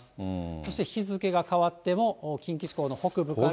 そして日付が変わっても近畿地方の北部から。